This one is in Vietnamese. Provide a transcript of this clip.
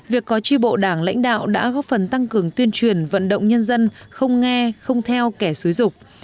việc có tri bộ đảng lãnh đạo đã góp phần tăng cường tuyên truyền vận động nhân dân không nghe không theo kẻ xúi dục